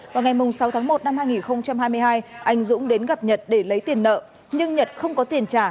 vào ngày sáu tháng một năm hai nghìn hai mươi hai anh dũng đến gặp nhật để lấy tiền nợ nhưng nhật không có tiền trả